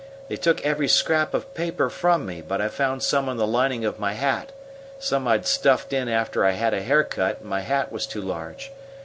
"They took every scrap of paper from me, but I found some in the lining of my hat some I'd stuffed in after I had a hair cut and my hat was too large.